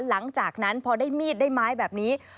หลังจากนั้นพอได้มีดได้ไม้แบบนี้